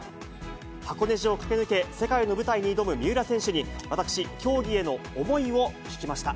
箱根路を駆け抜け、世界の舞台に挑む三浦選手に、私、競技への思いを聞きました。